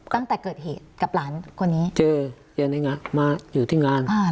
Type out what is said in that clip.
ตั้งแต่เกิดเหตุกับหลานคนนี้มาอยู่ที่งานอ่า